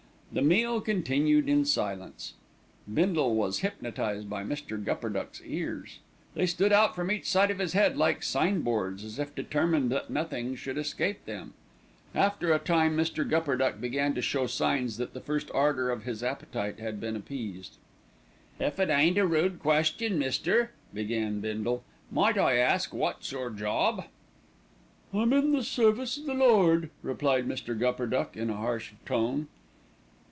The meal continued in silence. Bindle was hypnotised by Mr. Gupperduck's ears. They stood out from each side of his head like sign boards, as if determined that nothing should escape them. After a time Mr. Gupperduck began to show signs that the first ardour of his appetite had been appeased. "If it ain't a rude question, mister," began Bindle, "might I ask wot's your job?" "I'm in the service of the Lord," replied Mr. Gupperduck in a harsh tone.